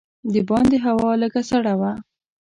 د باندې هوا لږه سړه وه.